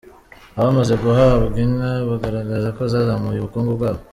Abamaze guhabwa inka, bagaragaza ko zazamuye ubukungu bwabo.